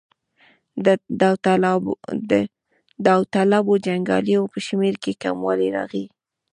د داوطلبو جنګیالیو په شمېر کې کموالی راغی.